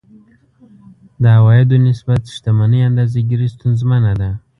د عوایدو نسبت شتمنۍ اندازه ګیري ستونزمنه ده.